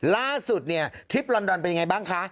ล่าสุดเนี่ยทริปลอนดอนเป็นยังไงบ้างคะ